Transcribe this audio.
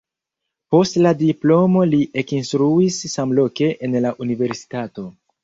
Post la diplomo li ekinstruis samloke en la universitato.